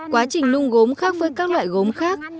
quá trình nung gốm khác với các loại gốm khác